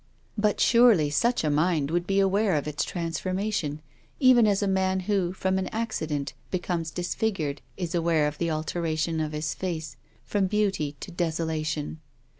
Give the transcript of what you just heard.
But surely such a mind would be aware of its trans formation, even as a man who, from an accident, becomes disfigured is aware of the alteration of his face from beauty to desolation.